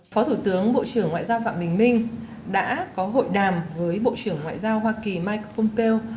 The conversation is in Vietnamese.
phó thủ tướng bộ trưởng ngoại giao phạm bình minh đã có hội đàm với bộ trưởng ngoại giao hoa kỳ mike pompeo